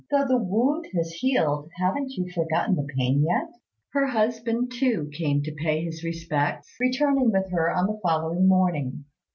Though the wound has healed, haven't you forgotten the pain yet?" Her husband, too, came to pay his respects, returning with her on the following morning.